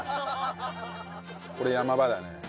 これ山場だね。